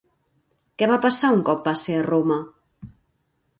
Què va passar un cop va ser a Roma?